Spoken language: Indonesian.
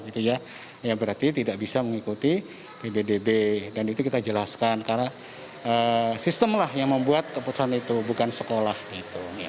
ya berarti tidak bisa mengikuti pbdb dan itu kita jelaskan karena sistem lah yang membuat keputusan itu bukan sekolah gitu